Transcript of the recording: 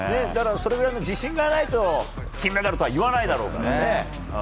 それだけの自信がないと金メダルとは言わないだろうからね。